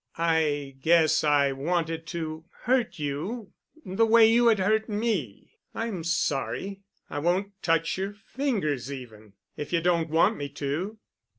I guess I wanted to hurt you—the way you had hurt me. I'm sorry. I won't touch your fingers even, if you don't want me to.